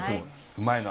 うまいの。